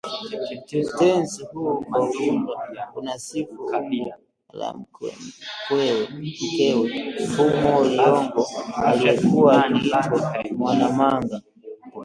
Utenzi huu kwa ujumla unasifu umbo la mkewe Fumo Liyongo aliyekuwa akiitwa Mwanamanga